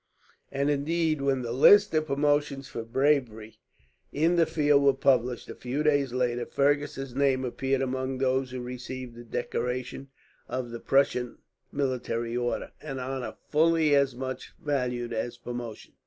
And, indeed, when the list of promotions for bravery in the field was published, a few days later, Fergus's name appeared among those who received the decoration of the Prussian military order, an honour fully as much valued as promotion.